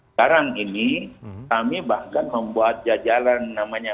sekarang ini kami bahkan membuat jajaran namanya